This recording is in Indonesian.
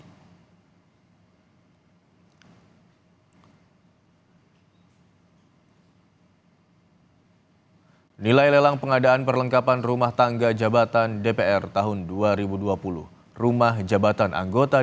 duaan lelang pengadaan perlengkapan rumah tangga jabatan dpr tahun dua ribu dua puluh di kalibata dan ulujami